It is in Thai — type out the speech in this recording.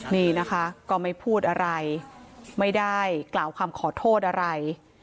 นี่นะคะก็ไม่พูดอะไรไม่ได้กล่าวคำขอโทษอะไร